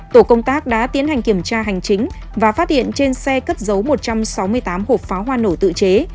tổ công tác đã tiến hành kiểm tra hành chính và phát hiện trên xe cất dấu một trăm sáu mươi tám hộp pháo hoa nổ tự chế